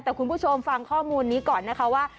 แต่คุณผู้ชมฟังข้อมูลนี้ก่อนนะคะว่า